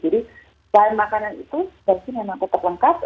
dan makanan itu dari sini memang tetap lengkap